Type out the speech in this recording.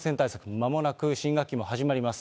まもなく新学期も始まります。